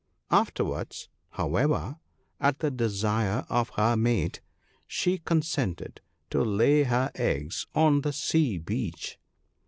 'Afterwards, however, at the desire of her mate, she consented to lay her eggs on the sea beach.